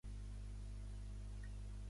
El nom és Yanira: i grega, a, ena, i, erra, a.